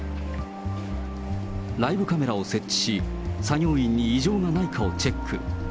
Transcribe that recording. ライブカメラを設置し、作業員に異常がないかをチェック。